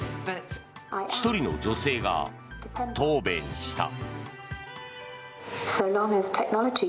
１人の女性が答弁した。